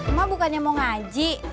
emak bukannya mau ngaji